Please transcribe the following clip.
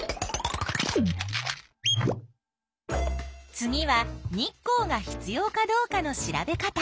次は日光が必要かどうかの調べ方。